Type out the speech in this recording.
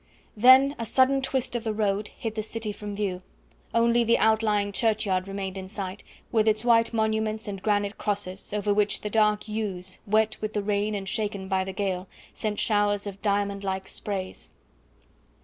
Then a sudden twist of the road hid the city from view; only the outlying churchyard remained in sight, with its white monuments and granite crosses, over which the dark yews, wet with the rain and shaken by the gale, sent showers of diamond like sprays.